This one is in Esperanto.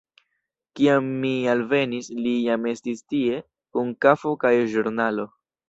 Kiam mi alvenis, li jam estis tie, kun kafo kaj ĵurnalo.